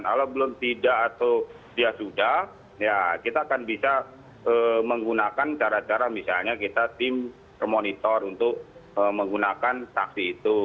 kalau belum tidak atau dia sudah ya kita akan bisa menggunakan cara cara misalnya kita tim termonitor untuk menggunakan taksi itu